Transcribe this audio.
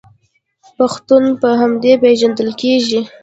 پښتون په همدې پیژندل کیږي.